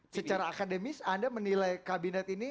secara akademis anda menilai kabinet ini